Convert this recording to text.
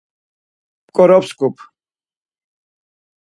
P̌ǩorotsxup.